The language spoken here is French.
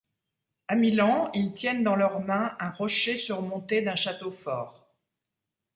À Milan ils tiennent dans leur main un rocher surmonté d'un château fort.